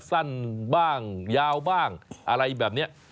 สั้นบ้างยาวบ้างอะไรแบบนี้